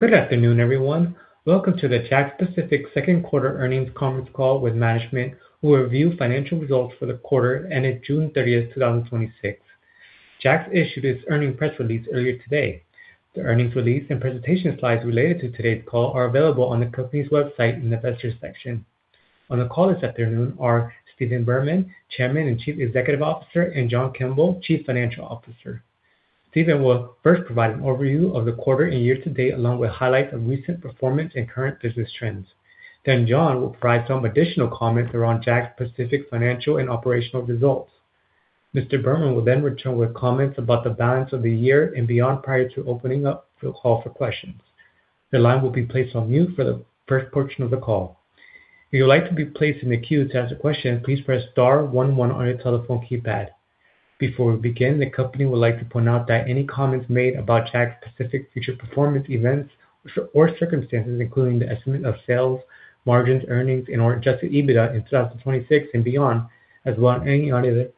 Good afternoon, everyone. Welcome to the JAKKS Pacific's second quarter earnings conference call with management, who review financial results for the quarter ending June 30th, 2026. JAKKS issued its earnings press release earlier today. The earnings release and presentation slides related to today's call are available on the company's website in the Investors section. On the call this afternoon are Stephen Berman, Chairman and Chief Executive Officer, and John Kimble, Chief Financial Officer. Stephen will first provide an overview of the quarter and year to date, along with highlights of recent performance and current business trends. John will provide some additional comments around JAKKS Pacific financial and operational results. Mr. Berman will return with comments about the balance of the year and beyond, prior to opening up the call for questions. The line will be placed on mute for the first portion of the call. If you'd like to be placed in the queue to ask a question, please press star one-one on your telephone keypad. Before we begin, the company would like to point out that any comments made about JAKKS Pacific future performance events or circumstances, including the estimate of sales, margins, earnings, and our Adjusted EBITDA in 2026 and beyond, as well as any other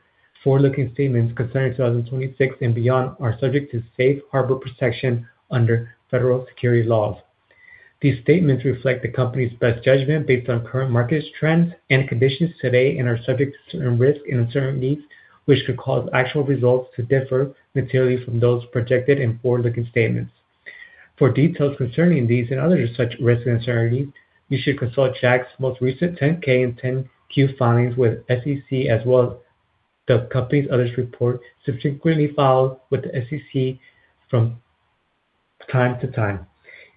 forward-looking statements concerning 2026 and beyond, are subject to safe harbor protection under federal securities laws. These statements reflect the company's best judgment based on current market trends and conditions today and are subject to certain risks and uncertainties which could cause actual results to differ materially from those projected in forward-looking statements. For details concerning these and other such risks and uncertainties, you should consult JAKKS' most recent 10-K and 10-Q filings with SEC as well as the company's other reports subsequently filed with the SEC from time to time.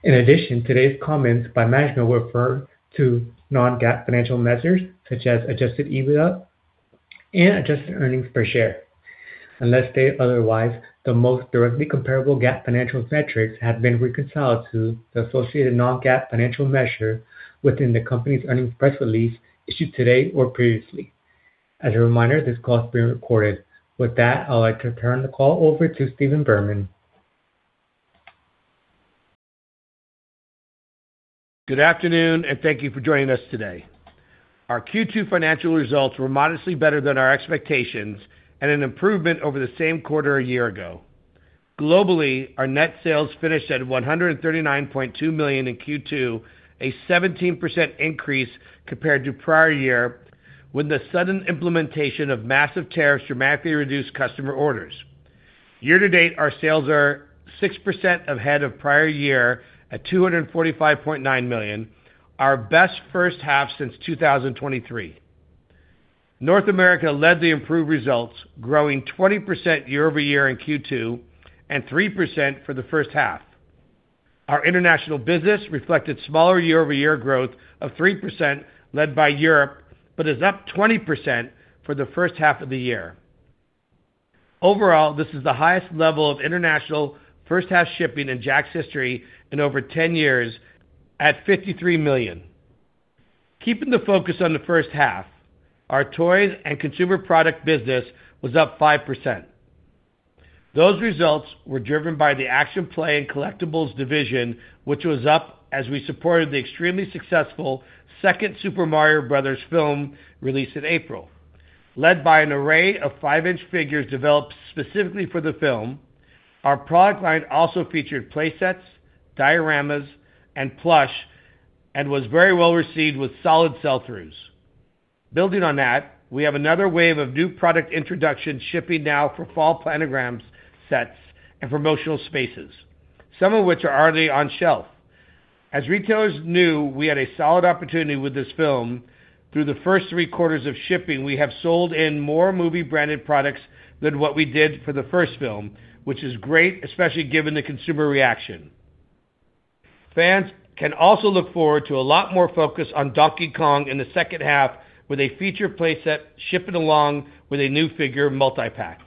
Today's comments by management will refer to non-GAAP financial measures such as Adjusted EBITDA and Adjusted Earnings Per Share. Unless stated otherwise, the most directly comparable GAAP financial metrics have been reconciled to the associated non-GAAP financial measure within the company's earnings press release issued today or previously. As a reminder, this call is being recorded. With that, I'd like to turn the call over to Stephen Berman. Good afternoon. Thank you for joining us today. Our Q2 financial results were modestly better than our expectations and an improvement over the same quarter a year ago. Globally, our net sales finished at $139.2 million in Q2, a 17% increase compared to prior year, when the sudden implementation of massive tariffs dramatically reduced customer orders. Year to date, our sales are 6% ahead of prior year at $245.9 million, our best first half since 2023. North America led the improved results, growing 20% year-over-year in Q2 and 3% for the first half. Our international business reflected smaller year-over-year growth of 3% led by Europe, but is up 20% for the first half of the year. Overall, this is the highest level of international first half shipping in JAKKS' history in over 10 years at $53 million. Keeping the focus on the first half, our toys and consumer products business was up 5%. Those results were driven by the Action Play & Collectibles division, which was up as we supported the extremely successful second Super Mario Bros. film released in April. Led by an array of 5-inch figures developed specifically for the film, our product line also featured play sets, dioramas, and plush, and was very well received with solid sell-throughs. Building on that, we have another wave of new product introductions shipping now for fall planograms sets and promotional spaces, some of which are already on shelf. As retailers knew we had a solid opportunity with this film, through the first three quarters of shipping, we have sold in more movie-branded products than what we did for the first film, which is great, especially given the consumer reaction. Fans can also look forward to a lot more focus on Donkey Kong in the second half with a feature play set shipping along with a new figure multi-pack.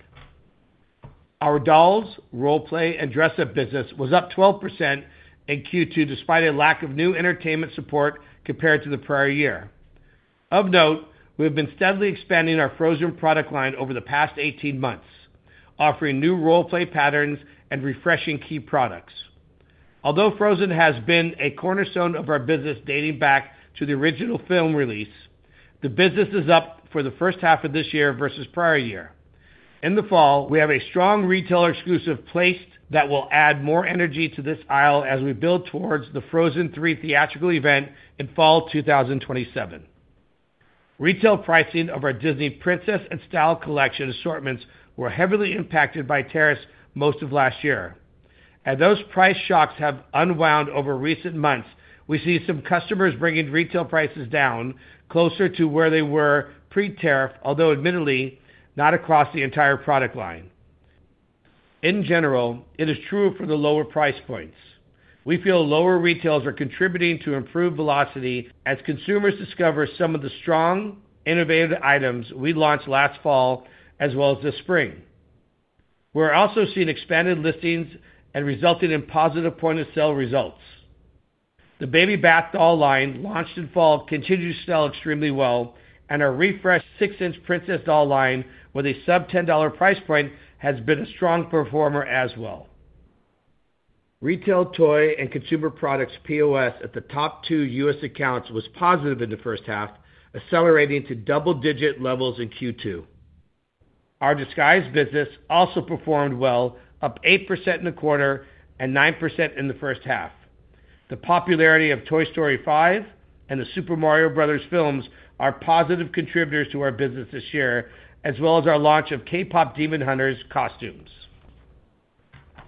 Our dolls, role play and dress-up business was up 12% in Q2, despite a lack of new entertainment support compared to the prior year. Of note, we have been steadily expanding our Frozen product line over the past 18 months, offering new role play patterns and refreshing key products. Although Frozen has been a cornerstone of our business dating back to the original film release, the business is up for the first half of this year versus prior year. In the fall, we have a strong retailer exclusive placed that will add more energy to this aisle as we build towards the Frozen 3 theatrical event in fall 2027. Retail pricing of our Disney Princess and Style Collection assortments were heavily impacted by tariffs most of last year. As those price shocks have unwound over recent months, we see some customers bringing retail prices down closer to where they were pre-tariff, although admittedly, not across the entire product line. In general, it is true for the lower price points. We feel lower retails are contributing to improved velocity as consumers discover some of the strong, innovative items we launched last fall as well as this spring. We're also seeing expanded listings and resulting in positive point-of-sale results. The baby bath doll line launched in fall continues to sell extremely well, and our refreshed 6-inch Princess doll line with a sub-$10 price point has been a strong performer as well. Retail toy and consumer products POS at the top two U.S. accounts was positive in the first half, accelerating to double-digit levels in Q2. Our Disguise business also performed well, up 8% in the quarter and 9% in the first half. The popularity of Toy Story 5 and the Super Mario Bros. films are positive contributors to our business this year, as well as our launch of KPop Demon Hunters costumes.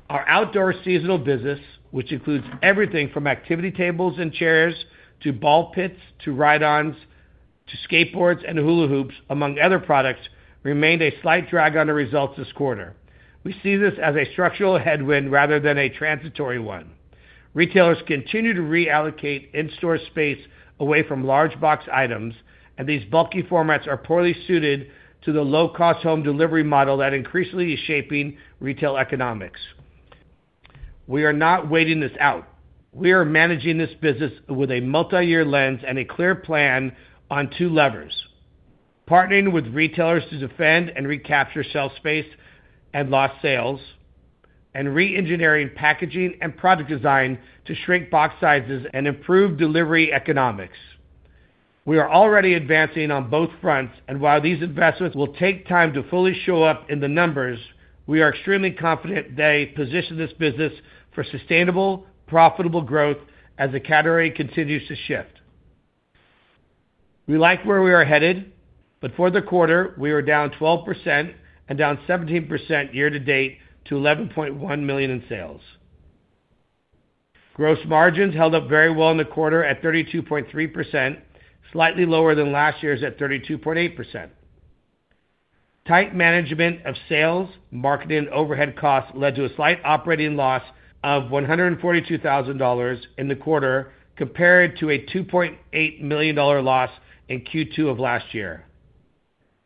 Our outdoor seasonal business, which includes everything from activity tables and chairs to ball pits, to ride-ons, to skateboards and hula hoops, among other products, remained a slight drag on the results this quarter. We see this as a structural headwind rather than a transitory one. Retailers continue to reallocate in-store space away from large box items, and these bulky formats are poorly suited to the low-cost home delivery model that increasingly is shaping retail economics. We are not waiting this out. We are managing this business with a multi-year lens and a clear plan on two levers: partnering with retailers to defend and recapture shelf space and lost sales, and re-engineering packaging and product design to shrink box sizes and improve delivery economics. We are already advancing on both fronts, and while these investments will take time to fully show up in the numbers, we are extremely confident they position this business for sustainable, profitable growth as the category continues to shift. We like where we are headed. For the quarter, we were down 12% and down 17% year to date to $11.1 million in sales. Gross margins held up very well in the quarter at 32.3%, slightly lower than last year's at 32.8%. Tight management of sales, marketing, and overhead costs led to a slight operating loss of $142,000 in the quarter compared to a $2.8 million loss in Q2 of last year.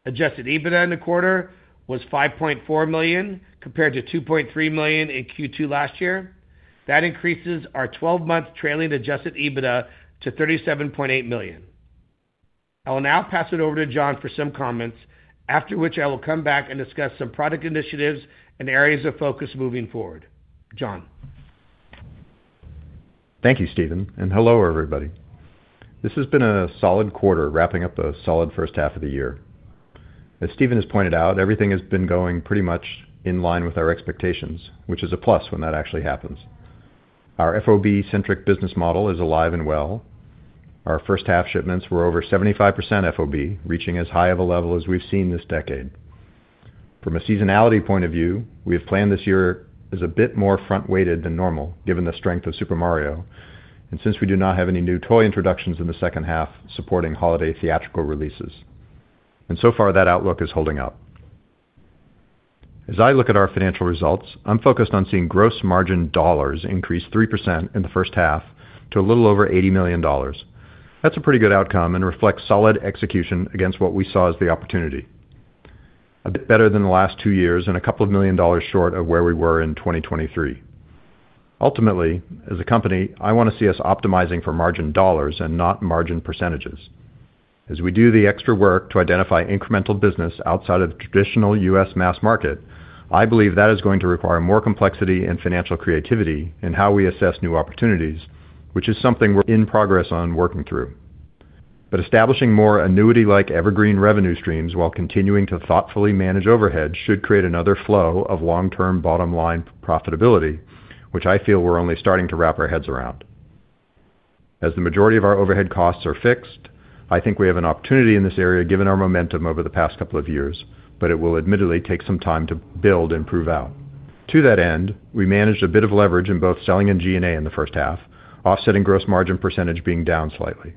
Adjusted EBITDA in the quarter was $5.4 million compared to $2.3 million in Q2 last year. That increases our 12-month trailing Adjusted EBITDA to $37.8 million. I will now pass it over to John for some comments, after which I will come back and discuss some product initiatives and areas of focus moving forward. John. Thank you, Stephen, and hello, everybody. This has been a solid quarter, wrapping up a solid first half of the year. As Stephen has pointed out, everything has been going pretty much in line with our expectations, which is a plus when that actually happens. Our FOB-centric business model is alive and well. Our first half shipments were over 75% FOB, reaching as high of a level as we've seen this decade. From a seasonality point of view, we have planned this year as a bit more front-weighted than normal, given the strength of Super Mario, and since we do not have any new toy introductions in the second half supporting holiday theatrical releases. So far, that outlook is holding up. As I look at our financial results, I'm focused on seeing gross margin dollars increase 3% in the first half to a little over $80 million. That's a pretty good outcome and reflects solid execution against what we saw as the opportunity. A bit better than the last two years and a couple of million dollars short of where we were in 2023. Ultimately, as a company, I want to see us optimizing for margin dollars and not margin percentages. As we do the extra work to identify incremental business outside of the traditional U.S. mass market, I believe that is going to require more complexity and financial creativity in how we assess new opportunities, which is something we're in progress on working through. Establishing more annuity-like evergreen revenue streams while continuing to thoughtfully manage overhead should create another flow of long-term bottom-line profitability, which I feel we're only starting to wrap our heads around. As the majority of our overhead costs are fixed, I think we have an opportunity in this area given our momentum over the past couple of years, but it will admittedly take some time to build and prove out. To that end, we managed a bit of leverage in both selling and G&A in the first half, offsetting gross margin percentage being down slightly.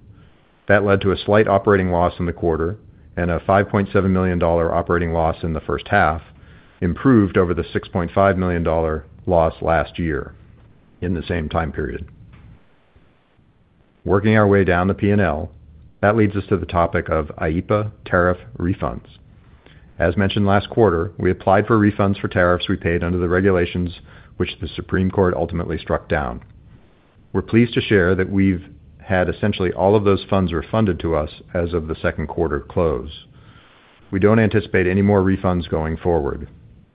That led to a slight operating loss in the quarter and a $5.7 million operating loss in the first half, improved over the $6.5 million loss last year in the same time period. Working our way down the P&L, that leads us to the topic of IEEPA tariff refunds. As mentioned last quarter, we applied for refunds for tariffs we paid under the regulations which the Supreme Court ultimately struck down. We're pleased to share that we've had essentially all of those funds refunded to us as of the second quarter close. We don't anticipate any more refunds going forward.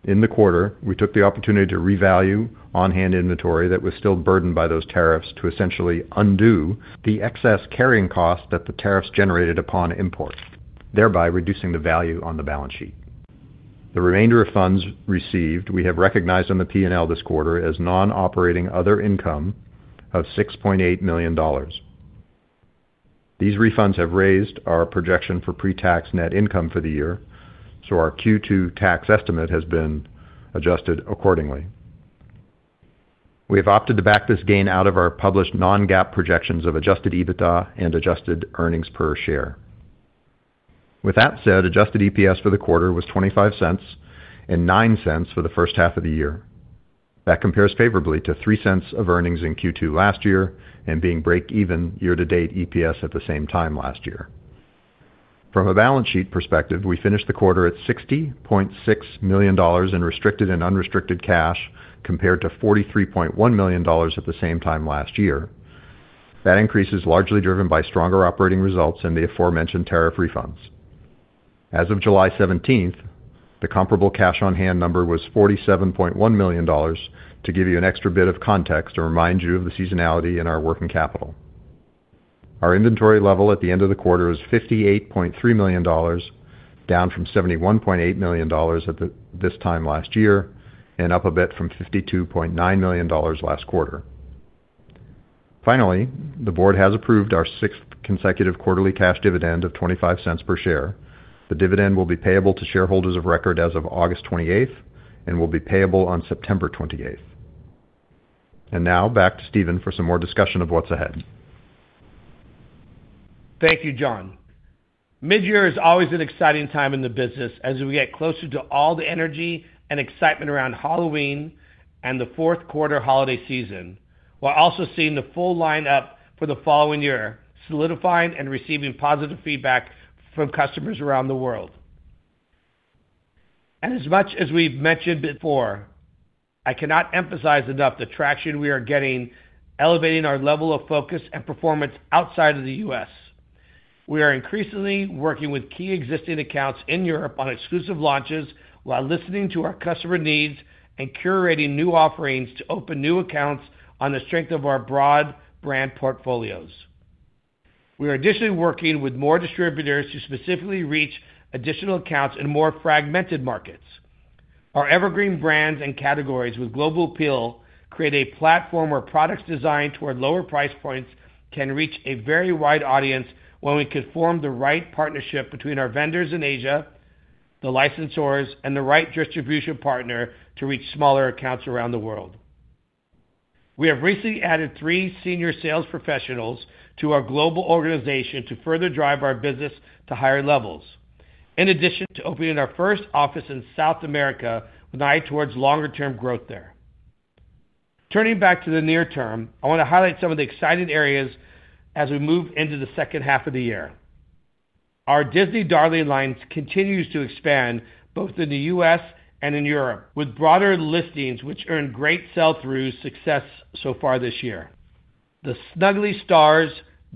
In the quarter, we took the opportunity to revalue on-hand inventory that was still burdened by those tariffs to essentially undo the excess carrying cost that the tariffs generated upon import, thereby reducing the value on the balance sheet. The remainder of funds received, we have recognized on the P&L this quarter as non-operating other income of $6.8 million. These refunds have raised our projection for pre-tax net income for the year, so our Q2 tax estimate has been adjusted accordingly. We have opted to back this gain out of our published non-GAAP projections of Adjusted EBITDA and Adjusted earnings per share. With that said, Adjusted EPS for the quarter was $0.25 and $0.09 for the first half of the year. That compares favorably to $0.03 of earnings in Q2 last year and being break even year-to-date EPS at the same time last year. From a balance sheet perspective, we finished the quarter at $60.6 million in restricted and unrestricted cash compared to $43.1 million at the same time last year. That increase is largely driven by stronger operating results and the aforementioned tariff refunds. As of July 17th, the comparable cash on hand number was $47.1 million to give you an extra bit of context or remind you of the seasonality in our working capital. Our inventory level at the end of the quarter was $58.3 million, down from $71.8 million at this time last year, and up a bit from $52.9 million last quarter. Finally, the board has approved our sixth consecutive quarterly cash dividend of $0.25 per share. The dividend will be payable to shareholders of record as of August 28th, and will be payable on September 28th. Now back to Stephen for some more discussion of what's ahead. Thank you, John. Mid-year is always an exciting time in the business as we get closer to all the energy and excitement around Halloween and the fourth quarter holiday season, while also seeing the full lineup for the following year, solidifying and receiving positive feedback from customers around the world. As much as we've mentioned before, I cannot emphasize enough the traction we are getting, elevating our level of focus and performance outside of the U.S. We are increasingly working with key existing accounts in Europe on exclusive launches while listening to our customer needs and curating new offerings to open new accounts on the strength of our broad brand portfolios. We are additionally working with more distributors to specifically reach additional accounts in more fragmented markets. Our evergreen brands and categories with global appeal create a platform where products designed toward lower price points can reach a very wide audience when we can form the right partnership between our vendors in Asia, the licensors, and the right distribution partner to reach smaller accounts around the world. We have recently added three senior sales professionals to our global organization to further drive our business to higher levels. In addition to opening our first office in South America with an eye towards longer term growth there. Turning back to the near term, I want to highlight some of the exciting areas as we move into the second half of the year. Our Disney Darlings line continues to expand both in the U.S. and in Europe, with broader listings which earn great sell-through success so far this year. The Snuggly Stars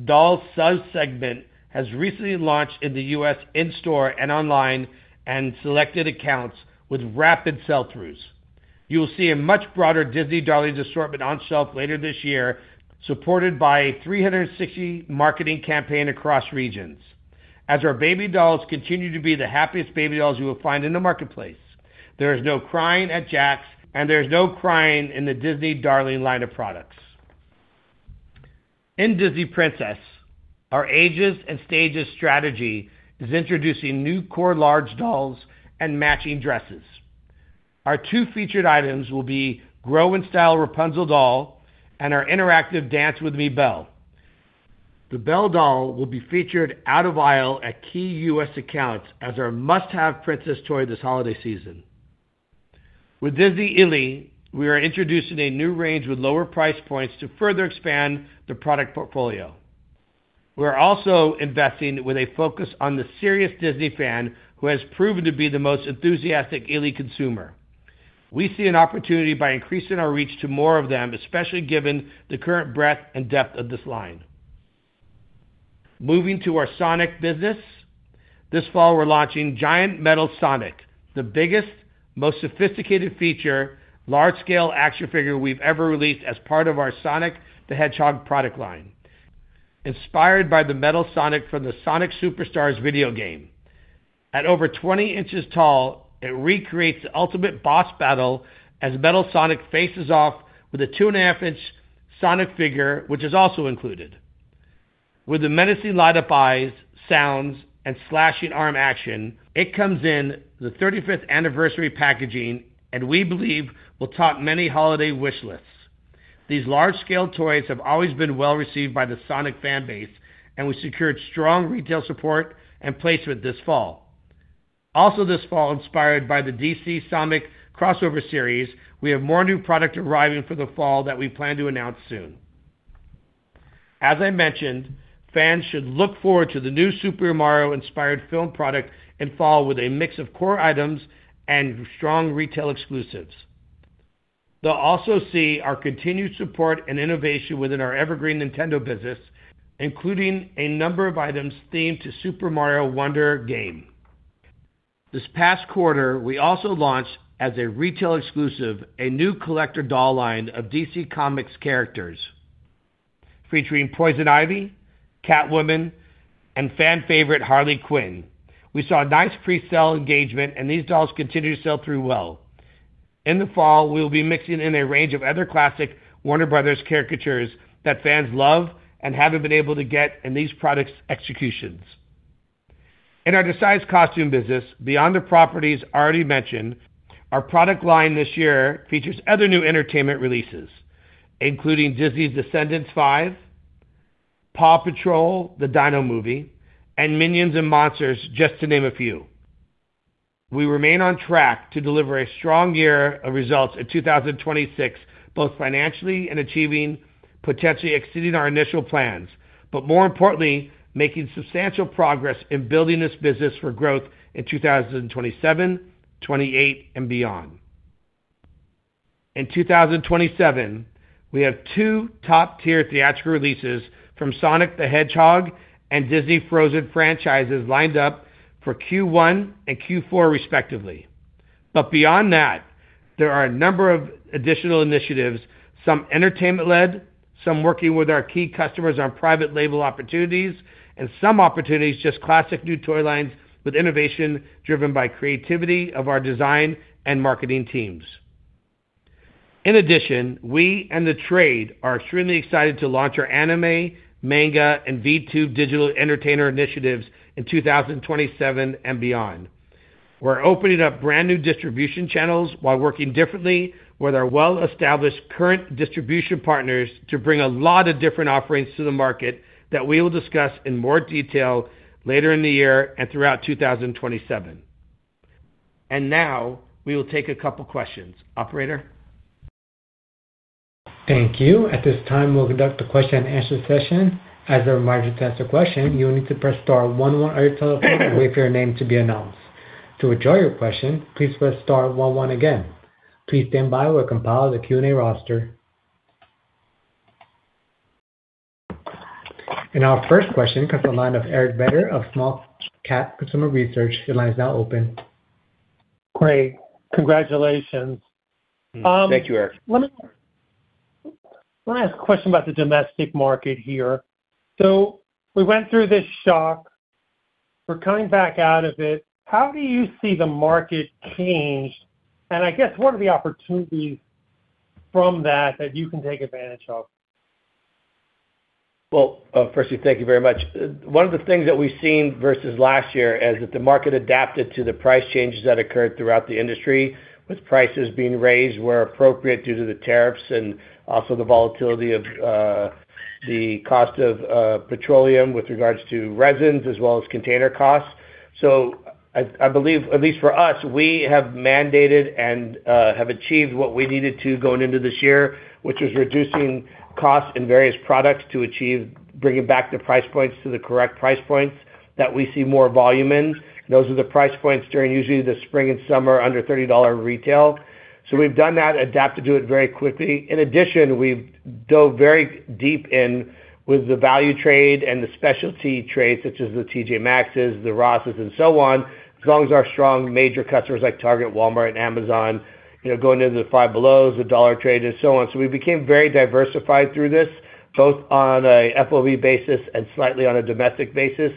doll sub-segment has recently launched in the U.S. in store and online, and selected accounts with rapid sell-throughs. You will see a much broader Disney Darlings assortment on shelf later this year, supported by a 360 marketing campaign across regions. As our baby dolls continue to be the happiest baby dolls you will find in the marketplace. There is no crying at JAKKS, and there is no crying in the Disney Darlings line of products. In Disney Princess, our ages and stages strategy is introducing new core large dolls and matching dresses. Our two featured items will be Grow and Style Rapunzel doll and our interactive Dance with Me Belle. The Belle doll will be featured out of aisle at key U.S. accounts as our must-have princess toy this holiday season. With Disney ILY, we are introducing a new range with lower price points to further expand the product portfolio. We are also investing with a focus on the serious Disney fan who has proven to be the most enthusiastic ILY consumer. We see an opportunity by increasing our reach to more of them, especially given the current breadth and depth of this line. Moving to our Sonic business. This fall, we're launching Giant Metal Sonic, the biggest, most sophisticated feature, large scale action figure we've ever released as part of our Sonic the Hedgehog product line. Inspired by the Metal Sonic from the Sonic Superstars video game. At over 20 inches tall, it recreates the ultimate boss battle as Metal Sonic faces off with a two-and-a-half inch Sonic figure, which is also included. With the menacing light-up eyes, sounds, and slashing arm action, it comes in the 35th anniversary packaging, and we believe will top many holiday wish lists. These large-scale toys have always been well received by the Sonic fan base, and we secured strong retail support and placement this fall. Also this fall, inspired by the DC Sonic crossover series, we have more new product arriving for the fall that we plan to announce soon. As I mentioned, fans should look forward to the new Super Mario inspired film product in fall with a mix of core items and strong retail exclusives. They'll also see our continued support and innovation within our evergreen Nintendo business, including a number of items themed to Super Mario Wonder game. This past quarter, we also launched as a retail exclusive, a new collector doll line of DC Comics characters, featuring Poison Ivy, Catwoman, and fan favorite Harley Quinn. We saw nice pre-sale engagement and these dolls continue to sell through well. In the fall, we will be mixing in a range of other classic Warner Bros. characters that fans love and haven't been able to get in these products' executions. In our Disguise costume business, beyond the properties already mentioned, our product line this year features other new entertainment releases, including Disney's "Descendants 5", "PAW Patrol: The Dino Movie", and "Minions & Monsters", just to name a few. We remain on track to deliver a strong year of results in 2026, both financially and achieving, potentially exceeding our initial plans. More importantly, making substantial progress in building this business for growth in 2027, 2028 and beyond. In 2027, we have two top tier theatrical releases from Sonic the Hedgehog and Disney Frozen franchises lined up for Q1 and Q4 respectively. Beyond that, there are a number of additional initiatives, some entertainment-led, some working with our key customers on private label opportunities, and some opportunities just classic new toy lines with innovation driven by creativity of our design and marketing teams. In addition, we and the trade are extremely excited to launch our anime, manga, and VTuber digital entertainer initiatives in 2027 and beyond. We're opening up brand new distribution channels while working differently with our well-established current distribution partners to bring a lot of different offerings to the market that we will discuss in more detail later in the year and throughout 2027. Now we will take a couple questions. Operator? Thank you. At this time, we'll conduct a question and answer session. As a reminder, to ask a question, you will need to press star one one on your telephone and wait for your name to be announced. To withdraw your question, please press star one one again. Please stand by while we compile the Q&A roster. Our first question comes from the line of Eric Beder of SmallCap Consumer Research. Your line is now open. Great. Congratulations. Thank you, Eric. Let me ask a question about the domestic market here. We went through this shock. We're coming back out of it. How do you see the market changed? I guess, what are the opportunities from that that you can take advantage of? Well, firstly, thank you very much. One of the things that we've seen versus last year is that the market adapted to the price changes that occurred throughout the industry, with prices being raised where appropriate due to the tariffs and also the volatility of the cost of petroleum with regards to resins as well as container costs. I believe, at least for us, we have mandated and have achieved what we needed to going into this year, which was reducing costs in various products to achieve bringing back the price points to the correct price points that we see more volume in. Those are the price points during usually the spring and summer under $30 retail. We've done that, adapted to it very quickly. In addition, we've dove very deep in with the value trade and the specialty trade, such as the T.J. Maxx, the Ross, and so on, as well as our strong major customers like Target, Walmart, and Amazon, going into the Five Below, the Dollar Trade, and so on. We became very diversified through this, both on a FOB basis and slightly on a domestic basis.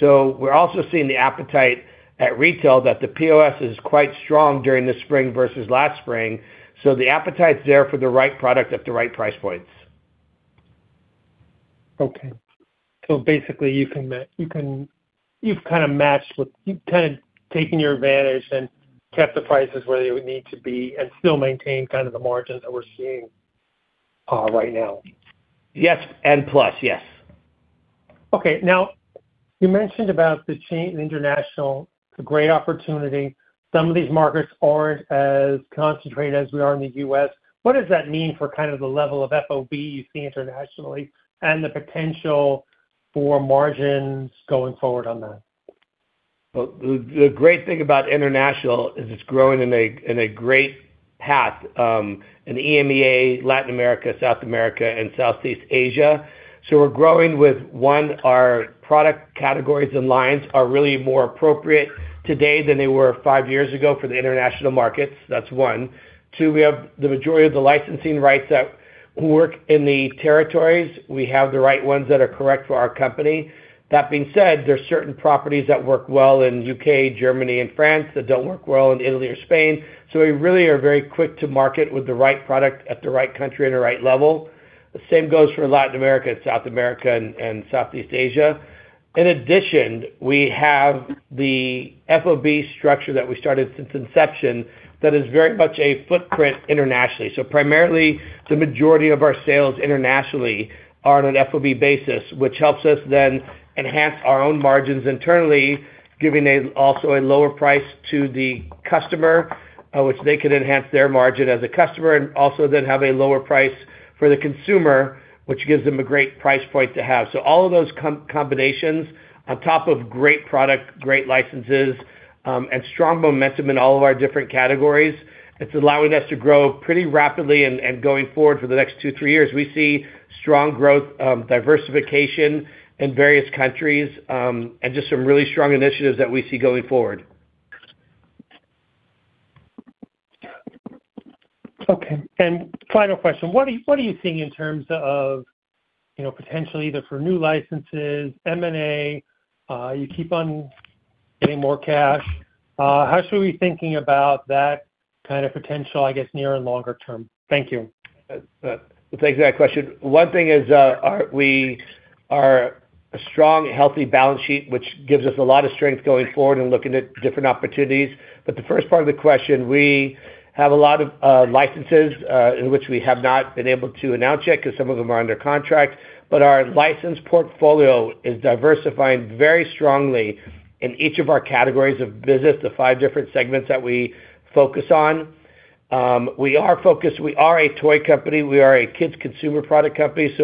We're also seeing the appetite at retail that the POS is quite strong during the spring versus last spring. The appetite's there for the right product at the right price points. Basically you've kind of taken your advantage and kept the prices where they would need to be and still maintain kind of the margins that we're seeing right now. Yes, and plus. Yes. You mentioned about the international, it's a great opportunity. Some of these markets aren't as concentrated as we are in the U.S. What does that mean for kind of the level of FOB you see internationally and the potential for margins going forward on that? The great thing about international is it's growing in a great path in EMEA, Latin America, South America, and Southeast Asia. We're growing with, one, our product categories and lines are really more appropriate today than they were five years ago for the international markets. That's one. Two, we have the majority of the licensing rights that work in the territories. We have the right ones that are correct for our company. That being said, there are certain properties that work well in U.K., Germany, and France that don't work well in Italy or Spain. We really are very quick to market with the right product at the right country at the right level. The same goes for Latin America and South America and Southeast Asia. In addition, we have the FOB structure that we started since inception that is very much a footprint internationally. Primarily, the majority of our sales internationally are on an FOB basis, which helps us then enhance our own margins internally, giving also a lower price to the customer, which they can enhance their margin as a customer and also then have a lower price for the consumer, which gives them a great price point to have. All of those combinations on top of great product, great licenses, and strong momentum in all of our different categories, it's allowing us to grow pretty rapidly and going forward for the next two, three years. We see strong growth diversification in various countries and just some really strong initiatives that we see going forward. Okay. Final question. What are you thinking in terms of potentially either for new licenses, M&A? You keep on getting more cash. How should we be thinking about that kind of potential, I guess, near and longer term? Thank you. Thanks for that question. One thing is we are a strong, healthy balance sheet, which gives us a lot of strength going forward and looking at different opportunities. The first part of the question, we have a lot of licenses, in which we have not been able to announce yet because some of them are under contract. Our license portfolio is diversifying very strongly in each of our categories of business, the five different segments that we focus on. We are a toy company. We are a kids' consumer product company.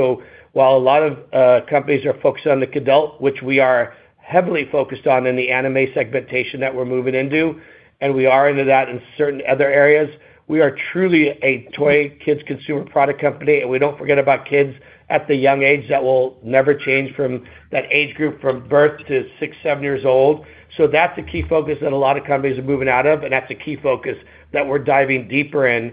While a lot of companies are focused on the adult, which we are heavily focused on in the anime segmentation that we're moving into, and we are into that in certain other areas. We are truly a toy kids consumer product company, and we don't forget about kids at the young age that will never change from that age group from birth to six, seven years old. That's a key focus that a lot of companies are moving out of, and that's a key focus that we're diving deeper in.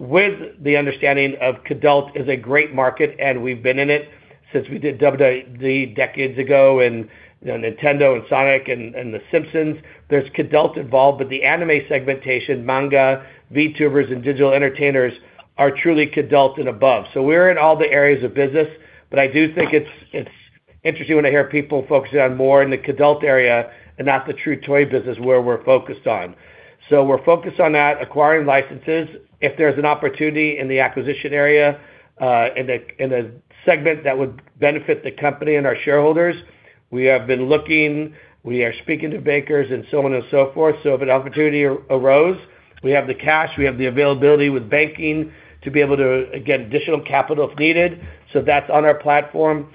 With the understanding of kidult is a great market, and we've been in it since we did WWE decades ago and Nintendo and Sonic and The Simpsons. There's kidult involved, but the anime segmentation, manga, VTuber, and digital entertainers are truly kidult and above. We're in all the areas of business, but I do think it's interesting when I hear people focusing on more in the kidult area and not the true toy business where we're focused on. We're focused on that, acquiring licenses. If there's an opportunity in the acquisition area in a segment that would benefit the company and our shareholders, we have been looking, we are speaking to bankers and so on and so forth. If an opportunity arose, we have the cash, we have the availability with banking to be able to get additional capital if needed. That's on our platform.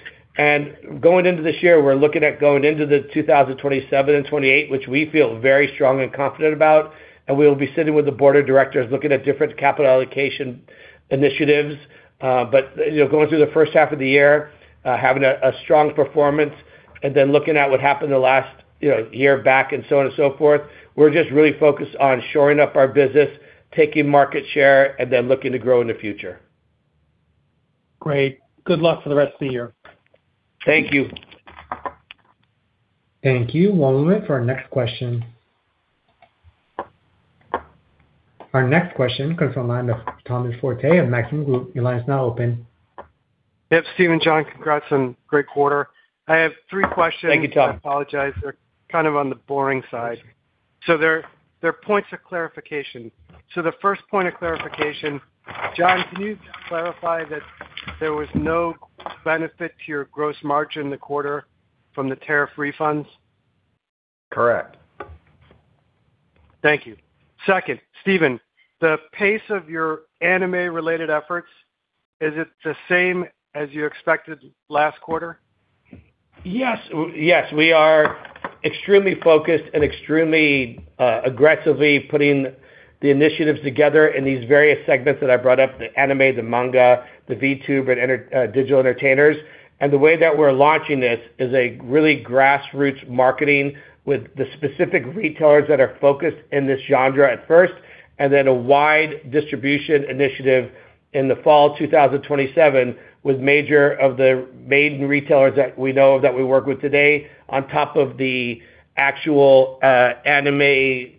Going into this year, we're looking at going into the 2027 and 2028, which we feel very strong and confident about, and we'll be sitting with the board of directors looking at different capital allocation initiatives. Going through the first half of the year, having a strong performance and then looking at what happened the last year back and so on and so forth, we're just really focused on shoring up our business, taking market share, and then looking to grow in the future. Great. Good luck for the rest of the year. Thank you. Thank you. One moment for our next question. Our next question comes from the line of Thomas Forte of Maxim Group. Your line is now open. Yep, Stephen, John, congrats on great quarter. I have three questions. Thank you, Tom. I apologize. They're kind of on the boring side. They're points of clarification. The first point of clarification, John, can you clarify that there was no benefit to your gross margin in the quarter from the tariff refunds? Correct. Thank you. Second, Stephen, the pace of your anime-related efforts, is it the same as you expected last quarter? Yes. We are extremely focused and extremely aggressively putting the initiatives together in these various segments that I brought up, the anime, the manga, the VTuber, and digital entertainers. The way that we're launching this is a really grassroots marketing with the specific retailers that are focused in this genre at first, and then a wide distribution initiative in the fall 2027 with major of the major retailers that we know of that we work with today on top of the actual anime,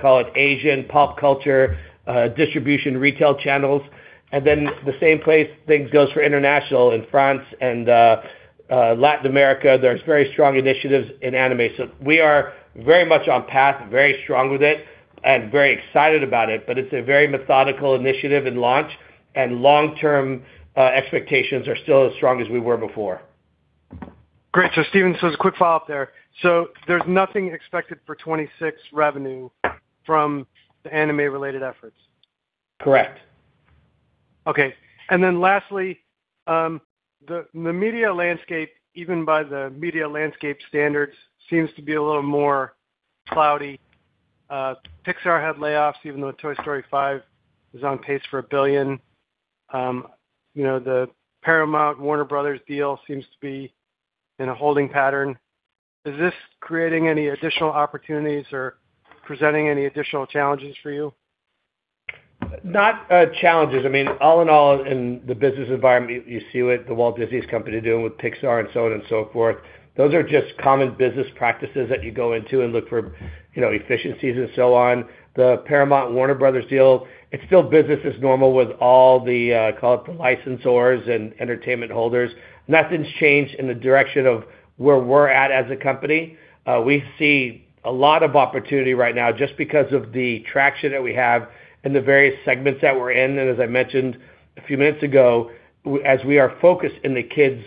call it Asian pop culture distribution retail channels. The same things goes for international in France and Latin America. There's very strong initiatives in anime. We are very much on path, very strong with it, and very excited about it, but it's a very methodical initiative and launch, and long-term expectations are still as strong as we were before. Great. Stephen, as a quick follow-up there's nothing expected for 2026 revenue from the anime-related efforts? Correct. Okay. Lastly, the media landscape, even by the media landscape standards, seems to be a little more cloudy. Pixar had layoffs even though Toy Story 5 is on pace for $1 billion. The Paramount Warner Bros. deal seems to be in a holding pattern. Is this creating any additional opportunities or presenting any additional challenges for you? Not challenges. All in all in the business environment, you see what The Walt Disney Company doing with Pixar and so on and so forth. Those are just common business practices that you go into and look for efficiencies and so on. The Paramount Warner Bros. deal, it's still business as normal with all the, call it the licensors and entertainment holders. Nothing's changed in the direction of where we're at as a company. We see a lot of opportunity right now just because of the traction that we have in the various segments that we're in. As I mentioned a few minutes ago, as we are focused in the kids'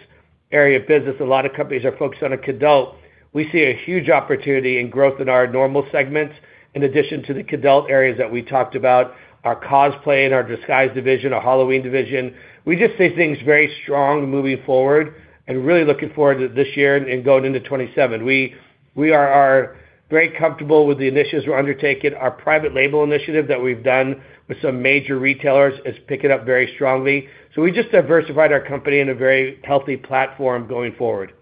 area of business, a lot of companies are focused on a kidult. We see a huge opportunity and growth in our normal segments in addition to the kidult areas that we talked about, our cosplay and our Disguise division, our Halloween division. We just see things very strong moving forward and really looking forward to this year and going into 2027. We are very comfortable with the initiatives we're undertaking. Our private label initiative that we've done with some major retailers is picking up very strongly. We just diversified our company in a very healthy platform going forward.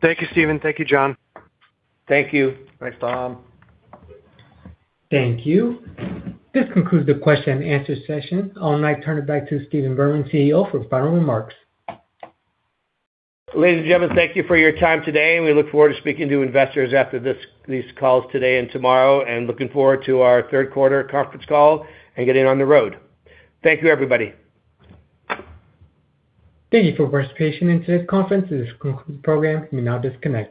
Thank you, Stephen. Thank you, John. Thank you. Thanks, Tom. Thank you. This concludes the question and answer session. I'll now turn it back to Stephen Berman, CEO, for final remarks. Ladies and gentlemen, thank you for your time today, and we look forward to speaking to investors after these calls today and tomorrow, and looking forward to our third quarter conference call and getting on the road. Thank you, everybody. Thank you for participation in today's conference. This concludes the program. You may now disconnect.